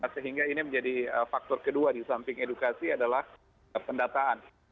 sehingga ini menjadi faktor kedua di samping edukasi adalah pendataan